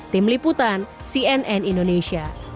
tim liputan cnn indonesia